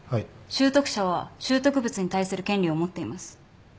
拾得者は拾得物に対する権利を持っています。